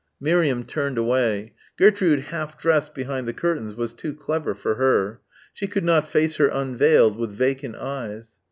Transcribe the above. Miriam turned away. Gertrude half dressed behind the curtains was too clever for her. She could not face her unveiled with vacant eyes.